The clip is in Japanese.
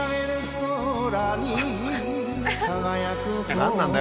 何なんだよ